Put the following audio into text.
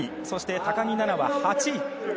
そして高木菜那は８位。